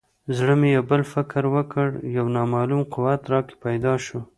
زړه مې یو بل فکر وکړ یو نامعلوم قوت راکې پیدا شو.